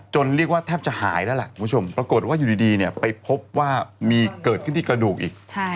เรียกว่าแทบจะหายแล้วล่ะคุณผู้ชมปรากฏว่าอยู่ดีเนี่ยไปพบว่ามีเกิดขึ้นที่กระดูกอีก